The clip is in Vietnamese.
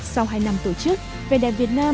sau hai năm tổ chức vnvn